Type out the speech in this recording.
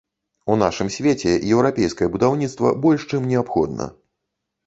У нашым свеце еўрапейскае будаўніцтва больш чым неабходна.